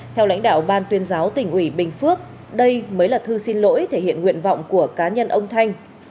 theo lãnh đạo ban tuyên giáo tỉnh ủy bình phước đây mới là thư xin lỗi thể hiện nguyện vọng của cá nhân ông thanh